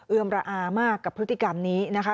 ระอามากกับพฤติกรรมนี้นะคะ